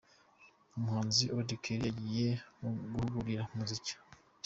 Umuhanzi Auddy Kelly agiye guhugukira muzika.